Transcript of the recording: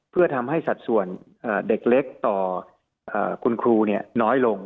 เพื่อทำให้สัดส่วนเด็กเล็กต่อคุณครูน้อยลง